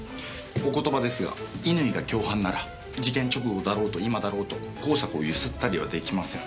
お言葉ですが乾が共犯なら事件直後だろうと今だろうと香坂をゆすったりは出来ません。